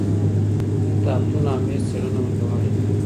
کتابتون او میز څېړنه ورته والی لري.